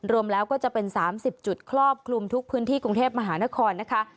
รวมแล้วก็จะเป็น๓๐จุดครอบคลุมทุกพื้นที่กรุงเทพมหานครนะคะ